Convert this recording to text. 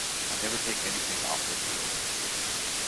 I never take anything off the field.